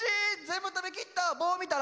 全部食べきった！